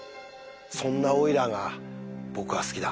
そんなオイラーが僕は好きだ。